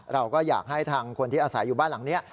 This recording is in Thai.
เราก็อยากให้ทางคนที่อาศัยอยู่บ้านหลังนี้